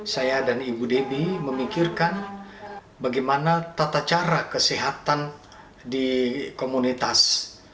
saya dan ibu debbie memikirkan bagaimana tata cara kesehatan di komunitas